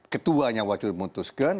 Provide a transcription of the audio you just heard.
ketuanya waktu itu memutuskan